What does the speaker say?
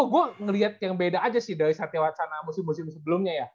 gue ngeliat yang beda aja sih dari saatnya wacana musim musim sebelumnya ya